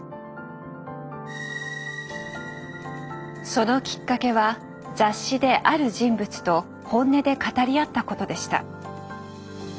そのきっかけは雑誌である人物と本音で語り合ったことでした。